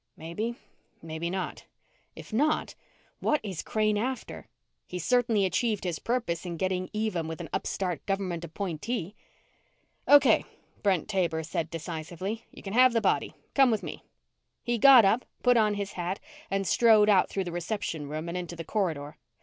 Maybe, maybe not. If not, what is Crane after? He's certainly achieved his purpose in getting even with an upstart government appointee._ "Okay," Brent Taber said decisively. "You can have the body. Come with me." He got up, put on his hat, and strode out through the reception room and into the corridor.